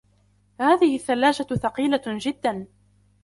هذه الثلاجة ثقيلة جدا